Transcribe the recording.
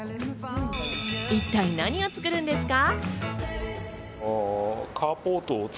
一体何を作るんですか？